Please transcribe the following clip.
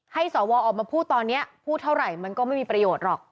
สวออกมาพูดตอนนี้พูดเท่าไหร่มันก็ไม่มีประโยชน์หรอก